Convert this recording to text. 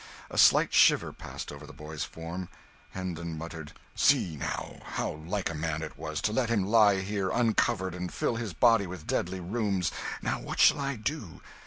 A slight shiver passed over the boy's form. Hendon muttered "See, now, how like a man it was to let him lie here uncovered and fill his body with deadly rheums. Now what shall I do?